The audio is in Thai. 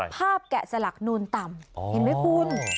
แกะสลักนูนต่ำเห็นไหมคุณ